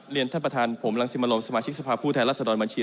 เรียนท่านประธานผมรังสิมรมสมาชิกสภาพผู้แทนรัศดรบัญชี